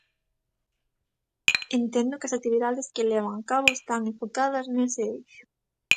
Entendo que as actividades que levan a cabo están enfocadas nese eixo.